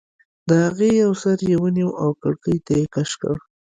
د هغې یو سر یې ونیو او کړکۍ ته یې کش کړ